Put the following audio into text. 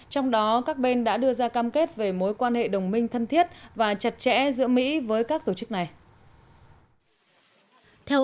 trong đó các bên đã đưa ra cam kết về mối quan hệ đồng minh thân thiết và chặt chẽ giữa mỹ với các tổ chức này